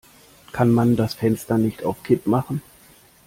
Kann man das Fenster nicht auf Kipp machen?